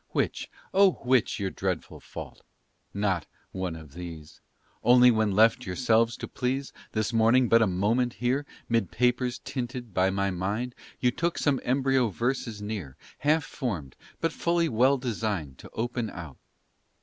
Which, oh, which Your dreadful fault? Not one of these; Only when left yourselves to please This morning but a moment here 'Mid papers tinted by my mind You took some embryo verses near Half formed, but fully well designed To open out.